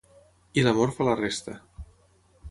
I l'amor fa la resta.